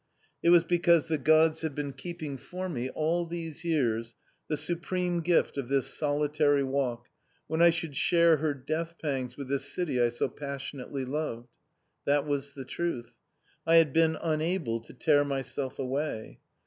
It was because the gods had been keeping for me all these years the supreme gift of this solitary walk, when I should share her death pangs with this city I so passionately loved. That was the truth. I had been unable to tear myself away.